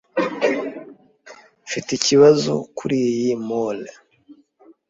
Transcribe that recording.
Mfite ikibazo kuriyi mole